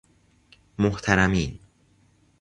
محترمین